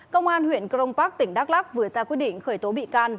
công an huyện crong park tỉnh đắk lắc vừa ra quyết định khởi tố bị can